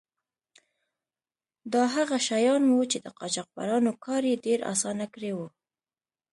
دا هغه شیان وو چې د قاچاقبرانو کار یې ډیر آسانه کړی و.